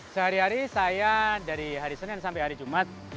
sehari hari saya dari hari senin sampai hari jumat